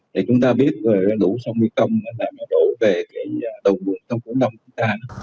thì chúng ta biết là lũ sông nguyên công là mùa lũ về cái đầu nguồn sông cổ đông của ta